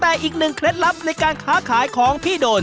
แต่อีกหนึ่งเคล็ดลับในการค้าขายของพี่โดน